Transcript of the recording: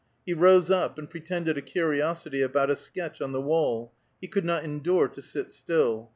He rose up, and pretended a curiosity about a sketch on the wall; he could not endure to sit still.